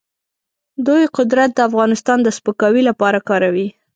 دوی قدرت د افغانستان د سپکاوي لپاره کاروي.